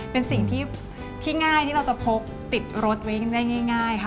เป็นสิ่งที่ง่ายที่เราจะพกติดรถไว้ได้ง่ายค่ะ